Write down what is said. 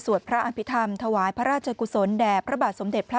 พระอภิษฐรรมถวายพระราชกุศลแด่พระบาทสมเด็จพระ